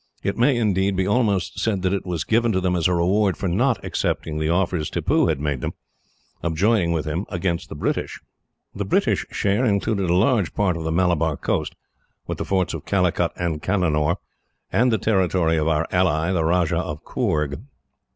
It may, indeed, be almost said that it was given to them as a reward for not accepting the offers Tippoo had made them, of joining with him against the British. The British share included a large part of the Malabar coast, with the forts of Calicut and Cananore, and the territory of our ally, the Rajah of Coorg.